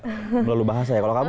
belalu bahasa ya kalau kamu